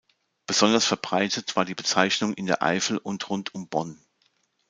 Besonders verbreitet war die Bezeichnung in der Eifel und rund um Bonn.